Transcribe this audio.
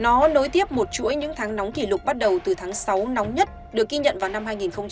nó nối tiếp một chuỗi những tháng nóng kỷ lục bắt đầu từ tháng sáu nóng nhất được ghi nhận vào năm hai nghìn một mươi